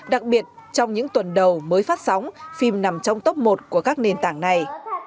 đặc biệt trong những tuần đầu mới phát sóng phim nằm trong tốc một của các nền tảng này